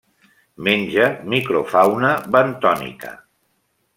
Menja microfauna bentònica.